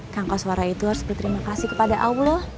kang koswara itu harus berterima kasih kepada allah